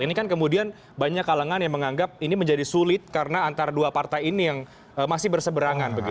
ini kan kemudian banyak kalangan yang menganggap ini menjadi sulit karena antara dua partai ini yang masih berseberangan